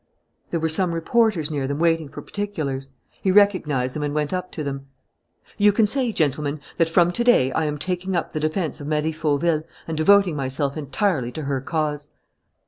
There were some reporters near them waiting for particulars. He recognized them and went up to them. "You can say, gentlemen, that from to day I am taking up the defence of Marie Fauville and devoting myself entirely to her cause."